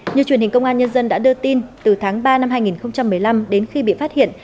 như truyền hình công an nhân dân đã đưa tin từ tháng ba năm hai nghìn một mươi năm đến khi bị phát hiện